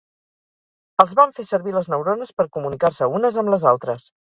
Els fan servir les neurones per comunicar-se unes amb les altres.